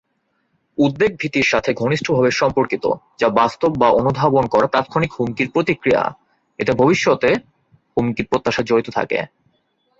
উদ্বেগ ভীতির সাথে ঘনিষ্ঠভাবে সম্পর্কিত, যা বাস্তব বা অনুধাবন করা তাৎক্ষণিক হুমকির প্রতিক্রিয়া; এতে ভবিষ্যতের হুমকি প্রত্যাশা জড়িত থাকে।